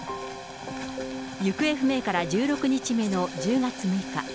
行方不明から１６日目の１０月６日。